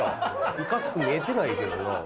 いかつく見えてないけどな。